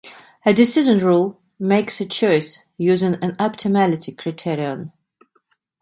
A decision rule makes a choice using an optimality criterion.